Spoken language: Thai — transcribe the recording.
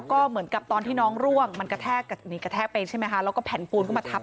ก็เป็นบางวันนะบางทีถ้าหมาไม่มีมีใครมาซื้อสิ่งอย่างนั้น